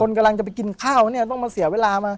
กำลังจะไปกินข้าวเนี่ยต้องมาเสียเวลามา